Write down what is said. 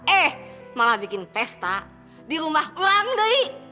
eh mama bikin pesta di rumah ulang dei